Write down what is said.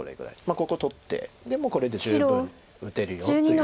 ここ取ってでもうこれで十分打てるよという。